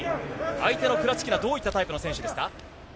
相手のクラチキナ、どういったタイプの選手ですか。